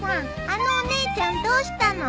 あのお姉ちゃんどうしたの？